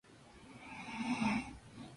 Naoki Ishihara